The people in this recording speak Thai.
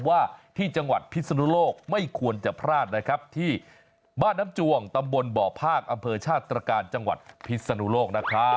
ผมว่าที่จังหวัดพิษณุโลกเป็นได้ครับที่บ้านน้ำจวงตำบลบ่อภากอำเภอชาติตระการจังหวัดพิษณุโลก